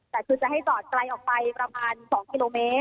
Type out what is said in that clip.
จะที่จะให้กรอดไกลออกไปประมาณสองกิโลเมตร